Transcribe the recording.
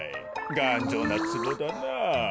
がんじょうなつぼだなあ。